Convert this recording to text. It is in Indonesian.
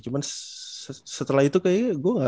cuman setelah itu kayaknya